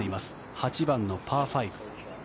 ８番のパー５。